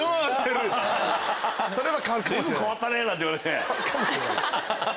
随分変わったね！って言われて。